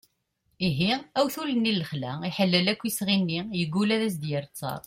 ihi awtul-nni n lexla iḥellel akk isɣi-nni yeggul ad as-d-yerr ttar